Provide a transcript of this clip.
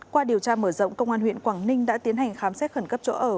qua điều tra mở rộng công an huyện quảng ninh đã tiến hành khám xét khẩn cấp chỗ ở